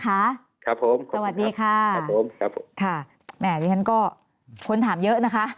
ครับผมขอบคุณครับครับผมจังหวัดสุดดีค่ะ